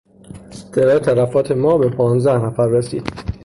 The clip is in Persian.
تعداد تلفات ما به پانزده نفر رسید.